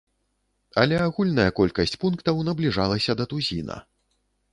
Але агульная колькасць пунктаў набліжалася да тузіна.